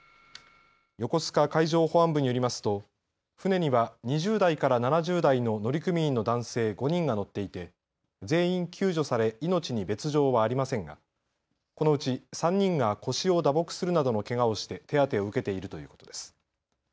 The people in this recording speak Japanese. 横須賀海上保安部によりますと船には２０代から７０代の乗組員の男性５人が乗っていて全員救助され命に別状はありませんが、このうち３人が腰を打撲するなどのけがをして手当てを受けているということです。